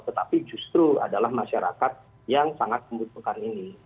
tetapi justru adalah masyarakat yang sangat membutuhkan ini